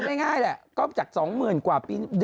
มับหาคุณเนี่ย